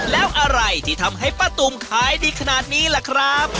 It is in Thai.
แล้วอะไรที่ทำให้ป้าตุ๋มขายดีขนาดนี้ล่ะครับ